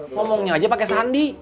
ngomongnya aja pakai sandi